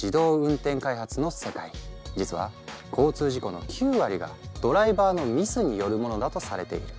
実は交通事故の９割がドライバーのミスによるものだとされている。